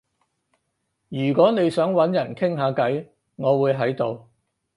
如果你想搵人傾下偈，我會喺度